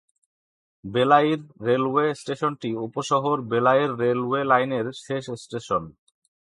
বেলাইর railway স্টেশনটি উপশহর বেলাইর রেলওয়ে লাইনের শেষ স্টেশন।